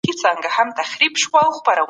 ما ویل چي هغه د قاتل د وژلو حکم وکړ.